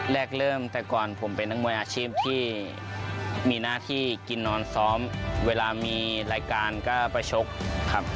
แรกเริ่มแต่ก่อนผมเป็นนักมวยอาชีพที่มีหน้าที่กินนอนซ้อมเวลามีรายการก็ไปชกครับ